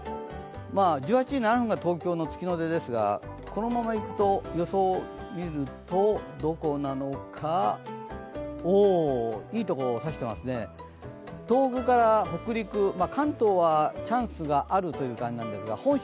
１８時７分が東京の月の出ですがこのままいくと、予想を見ると、どこなのかいいところを差していますね、東北から北陸、関東はチャンスがあるという感じなんですが本州、